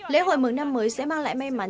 lễ hội mừng năm mới sẽ mang lại may mắn